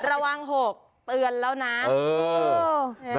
ระวัง๖เตือนแล้วนะ